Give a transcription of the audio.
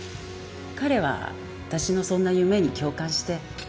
彼は私のそんな夢に共感して。